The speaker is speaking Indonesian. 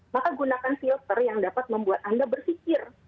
maka gunakan filter yang dapat membuat anda berpikir